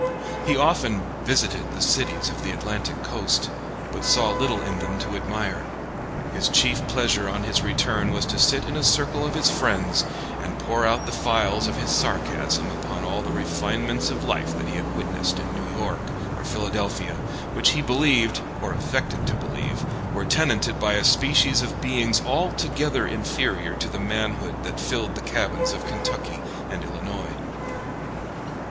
He often visited the cities of the Atlantic coast, but saw little in them to admire. His chief pleasure on his return was to sit in a circle of his friends and pour out the phials of his sarcasm upon all the refinements of life that he had witnessed in New York or Philadelphia, which he believed, or affected to believe, were tenanted by a species of beings altogether inferior to the manhood that filled the cabins of Kentucky and Illinois.